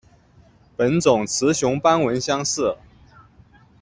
本种雌雄斑纹相似。